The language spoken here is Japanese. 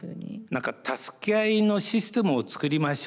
何か助け合いのシステムをつくりましょうじゃなくて。